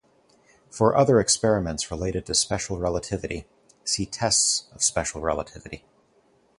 For other experiments related to special relativity, see tests of special relativity.